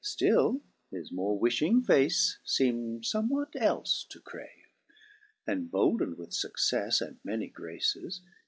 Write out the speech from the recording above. Still his more wifhing face ieem'd fomewhat elie to crave. 7 And, boldned with fucceiTe and many graces.